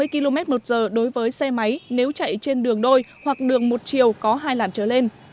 sáu mươi km một giờ đối với xe máy nếu chạy trên đường đôi hoặc đường một chiều có hai làn trở lên